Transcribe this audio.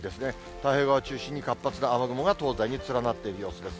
太平洋側を中心に、活発な雨雲が東西に連なっている様子です。